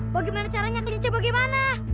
bagaimana caranya kelinci bagaimana